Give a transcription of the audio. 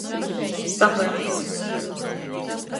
Sapyns.